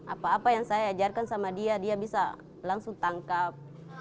apa apa yang saya ajarkan sama dia dia bisa langsung tangkap